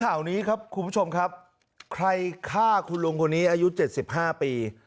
ข่าวนี้ครับคุณผู้ชมครับใครฆ่าคุณลุงคนนี้อายุ๗๕ปี